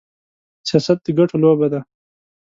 سياست د ګټو لوبه ده.